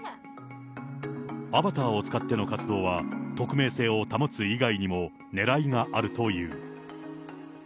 アバターを使っての活動は匿名性を保つ以外にもねらいがあるという。